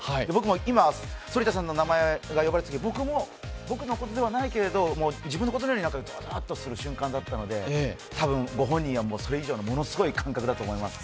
今、反田さんの名前が呼ばれたとき僕のことではないけれども、自分のことのようにゾワーッとする瞬間だったので、多分ご本人はそれ以上のものすごい感覚だと思います。